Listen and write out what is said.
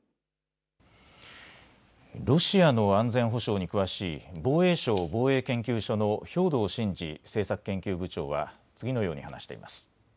ロシアの安全保障に詳しい防衛省防衛研究所の兵頭慎治政策研究部長は次のように話しています。